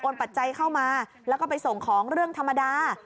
ปัจจัยเข้ามาแล้วก็ไปส่งของเรื่องธรรมดา